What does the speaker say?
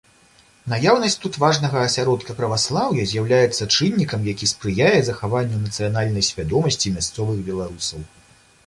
Наяўнасць тут важнага асяродка праваслаўя з'яўляецца чыннікам, які спрыяе захаванню нацыянальнай свядомасці мясцовых беларусаў.